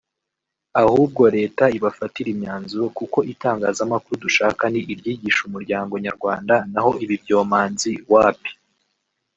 Ahubwo Leta ibafatire imyanzuro kuko itangazamakuru dushaka ni iryigisha umuryango nyarwanda naho ibi byomanzi wapi